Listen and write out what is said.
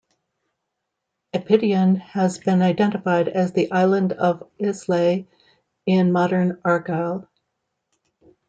"Epidion" has been identified as the island of Islay in modern Argyll.